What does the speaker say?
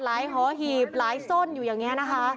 หอหีบหลายส้นอยู่อย่างนี้นะคะ